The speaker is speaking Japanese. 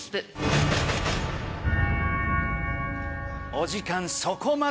お時間そこまで！